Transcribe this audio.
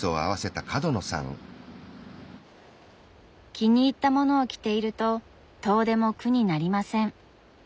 気に入ったものを着ていると遠出も苦になりません。